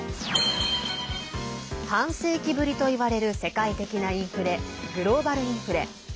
半世紀ぶりといわれる世界的なインフレグローバルインフレ。